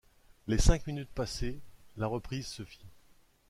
Les cinq minutes passées, la reprise se fit.